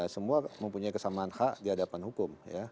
semua mempunyai kesamaan hak di hadapan hukum